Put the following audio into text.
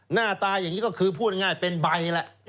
หน้าตาอย่างนี้ก็คือพูดง่ายเป็นใบแหละ